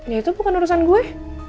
ya itu bukan urusan gue